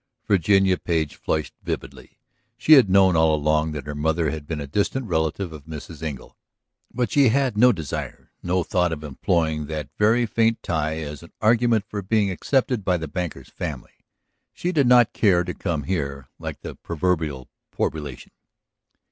Virginia Page flushed vividly. She had known all along that her mother had been a distant relative of Mrs. Engle, but she had had no desire, no thought of employing that very faint tie as an argument for being accepted by the banker's family. She did not care to come here like the proverbial poor relation.